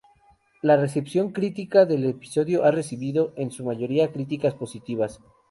La recepción crítica del episodio ha recibido en su mayoría críticas positivas.